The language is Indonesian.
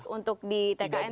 untuk di tkn tidak digunakan